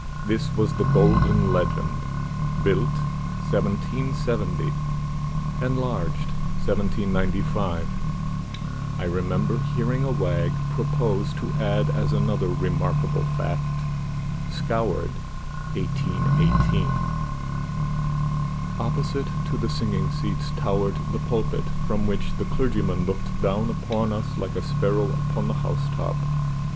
This was the golden legend: "BUILT, 1770. ENLARGED, 1795." I remember hearing a wag propose to add as another remarkable fact, "SCOURED, 1818." Opposite to the singing seats towered the pulpit, from which the clergyman looked down upon us like a sparrow upon the house top.